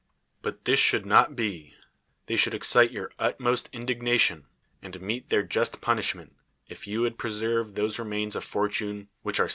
lint this should not be: they should excite your utmost indignation, and meet their just punishment, if you would pre s:jrve those renuiins of fortune which are :■: i'.